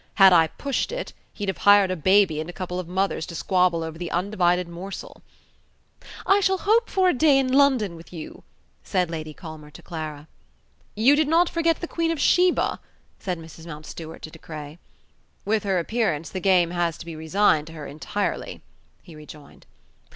Had I pushed it, he'd have hired a baby and a couple of mothers to squabble over the undivided morsel." "I shall hope for a day in London with you," said Lady Culmer to Clara. "You did not forget the Queen of Sheba?" said Mrs. Mountstuart to De Craye. "With her appearance, the game has to be resigned to her entirely," he rejoined.